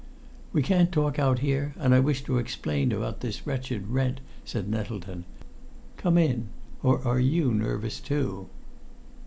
"We can't talk out here, and I wish to explain about this wretched rent," said Nettleton. "Come in or are you nervous too?"